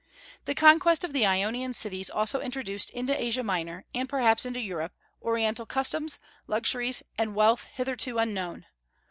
The conquest of the Ionian cities also introduced into Asia Minor and perhaps into Europe Oriental customs, luxuries, and wealth hitherto unknown.